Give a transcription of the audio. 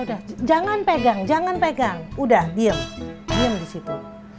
udah jangan pegang jangan pegang udah diem diem disitu